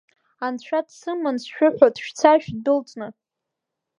Анцәа дсыман сшәыҳәоит шәца шәдәылҵны.